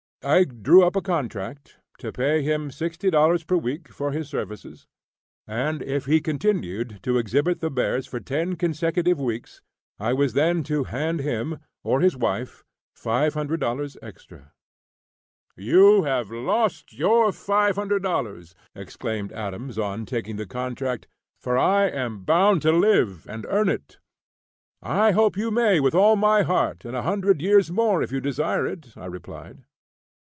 I drew up a contract to pay him $60 per week for his services, and if he continued to exhibit the bears for ten consecutive weeks I was then to hand him, or his wife $500 extra. "You have lost your $500!" exclaimed Adams on taking the contract; "for I am bound to live and earn it." "I hope you may, with all my heart, and a hundred years more if you desire it," I replied.